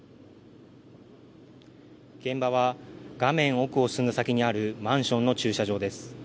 現場は画面奥の先にあるマンションの駐車場です。